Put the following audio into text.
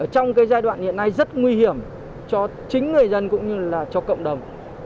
trong giai đoạn hiện nay rất nguy hiểm cho chính người dân cũng như là cho cộng đồng